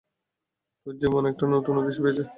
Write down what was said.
তোর জীবন একটা নতুন উদ্দেশ্য পেয়েছে।